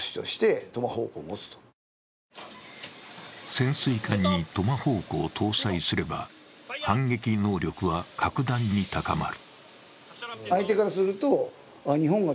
潜水艦にトマホークを搭載すれば、反撃能力は格段に高まる。